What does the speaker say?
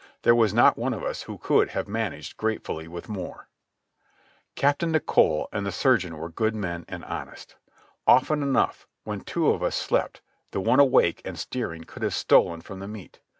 There was not one of us who could not have managed gratefully with more. Captain Nicholl and the surgeon were good men and honest. Often enough, when two of us slept, the one awake and steering could have stolen from the meat.